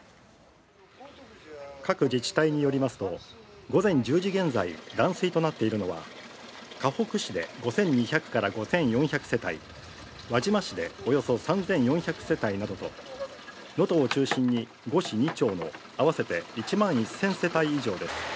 各自治体によりますと、午前１０時現在、断水となっているのはかほく市で５２００５４００世帯、輪島市でおよそ３４００世帯などと能登を中心に、５市２町の合わせて１万１０００世帯以上です。